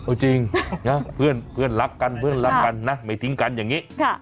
เออจริงนะเพื่อนรักกันไม่ทิ้งกันอย่างนี้